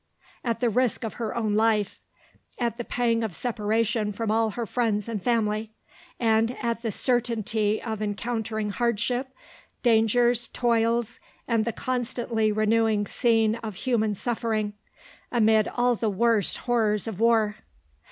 at the risk of her own life, at the pang of separation from all her friends and family, and at the certainty of encountering hardship, dangers, toils, and the constantly renewing scene of human suffering, amid all the worst horrors of war.